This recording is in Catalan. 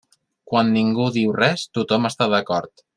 Quan ningú diu res, tothom està d'acord.